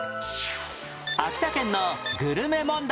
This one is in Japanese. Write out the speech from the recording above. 秋田県のグルメ問題